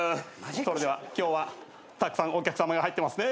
それでは今日はたくさんお客さまが入ってますね。